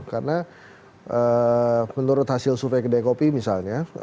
karena menurut hasil sufek dekopi misalnya